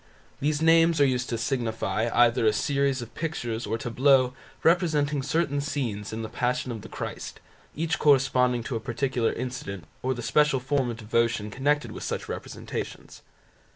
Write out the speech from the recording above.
These names are used to signify either a series of pictures or tableaux representing certain scenes in the Passion of Christ, each corresponding to a particular incident, or the special form of devotion connected with such representations.